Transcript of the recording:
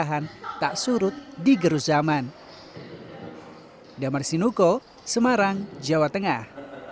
dan salah satu bukti talenta yang ditekuni serius akan bisa bertahan tak surut di gerus zaman